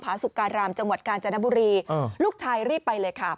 สุการามจังหวัดกาญจนบุรีลูกชายรีบไปเลยค่ะ